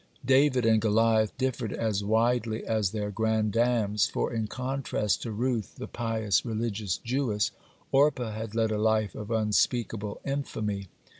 (28) David and Goliath differed as widely as their grandams, for in contrast to Ruth, the pious, religious Jewess, Orpah had led a life of unspeakable infamy.